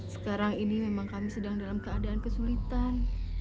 sekarang ini memang kami sedang dalam keadaan kesulitan